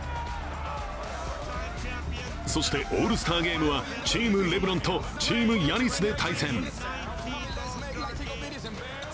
そして、オールスターゲームはチーム・レブロンと、チーム・ヤニスで対戦。